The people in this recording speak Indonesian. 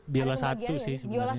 biola satu sih sebenarnya